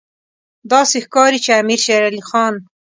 داسې ښکاري چې امیر شېر علي خان.